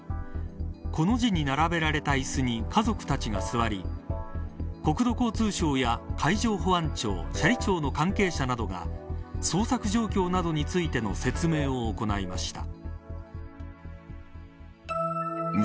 コの字に並べられた椅子に家族たちが座り国土交通省や海上保安庁斜里町の関係者などが捜索状況などについての説明を行いました。